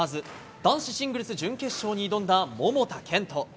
男子シングルス準決勝に挑んだ桃田賢斗。